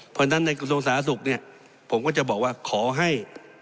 เพราะฉะนั้นในกระทรวงสาธารณสุขเนี่ยผมก็จะบอกว่าขอให้